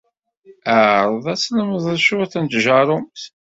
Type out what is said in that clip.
Ɛreḍ ad tlemded cwiṭ n tjeṛṛumt.